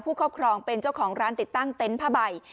ครอบครองเป็นเจ้าของร้านติดตั้งเต็นต์ผ้าใบ